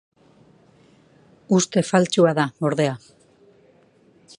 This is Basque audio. Uste faltsua da, ordea.